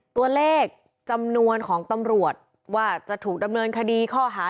ตัวเลขจำนวนของตำรวจว่าจะถูกดำเนินคดีข้อหา